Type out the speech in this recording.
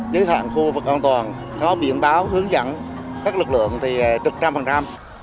giới thoại khu vực an toàn khó biện báo hướng dẫn các lực lượng trực trăm phần trăm